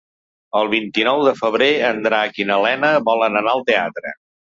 El vint-i-nou de febrer en Drac i na Lena volen anar al teatre.